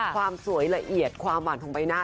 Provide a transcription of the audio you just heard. ความสวยละเอียดความหวานของใบหน้า